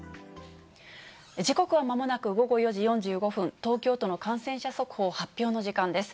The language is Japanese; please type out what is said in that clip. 時刻はまもなく午後４時４５分、東京都の感染者速報発表の時間です。